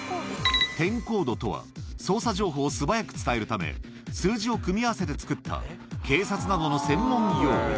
テンコードとは、捜査情報を素早く伝えるため、数字を組み合わせて作った警察などの専門用語。